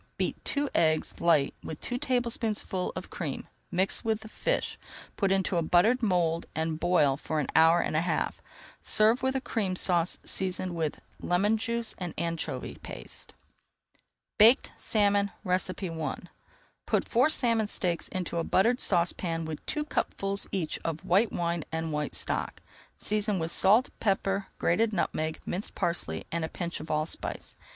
Beat two eggs light with two tablespoonfuls of cream, mix with the fish, put into a buttered mould and boil for an hour and a half. Serve with a Cream Sauce seasoned with [Page 270] lemon juice and anchovy paste. BAKED SALMON I Put four salmon steaks into a buttered saucepan with two cupfuls each of white wine and white stock. Season with salt, pepper, grated nutmeg, minced parsley, and a pinch of allspice.